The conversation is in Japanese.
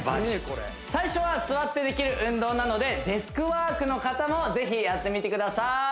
これ最初は座ってできる運動なのでデスクワークの方も是非やってみてください